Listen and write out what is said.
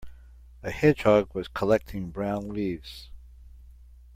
A hedgehog was collecting brown leaves.